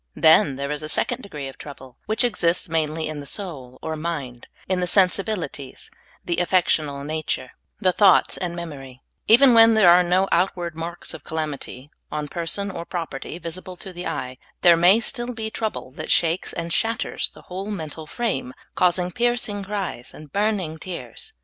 Then there is a second degree of trouble, which exists mainly in the soul or mind, in the sensibilities, the affectional nature, the thoughts and memor>\ Even when there are no outward marks of calamity on person or property visible to the eye, there may still be trouble that shakes and shatters the whole mental frame, causing piercing cries and burning tears.